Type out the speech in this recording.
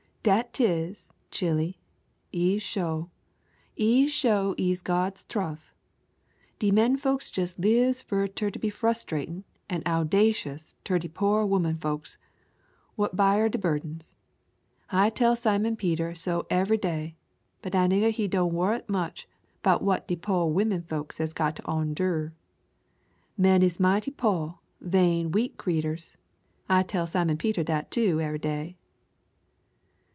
"Dat 'tis, chile, ez sho' ez sho' ez God's truf. De menfolks jes' lives fur ter be frustratin' an' owdacious ter de po' womenfolks, what byar de burdens. I tell Simon Peter so ev'y day; but dat nigger he doan' worrit much 'bout what de po' womenfolks has got ter orndure. Men is mighty po', vain, weak creetures I tell Simon Peter dat too ev'y day."